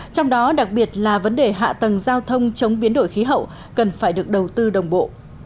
trong đó đặc biệt là vấn đề hạ tầng giao thông chống biến đổi khí hậu cần phải được đầu tư đồng bộ